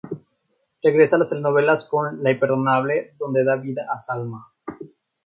Regresa a las telenovelas con "Lo imperdonable", donde da vida a Salma.